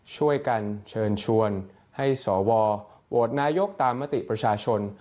ช่วยกันเชิญชวนให้สวโหวตนายกตามมติประชาชน